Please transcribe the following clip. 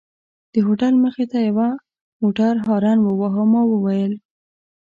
د هوټل مخې ته یوه موټر هارن وواهه، ما وویل.